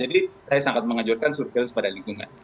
jadi saya sangat mengajukan surveillance pada lingkungan